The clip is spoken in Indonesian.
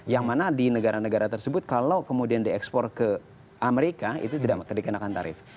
yang mana di negara negara tersebut kalau kemudian diekspor ke amerika itu tidak dikenakan tarif